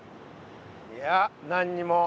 いや何にも。